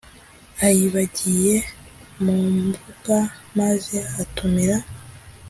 Ayibagiye mu mbuga maze atumira